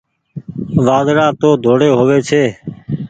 وآڌڙآ تو ڌوڙي هووي ڇي۔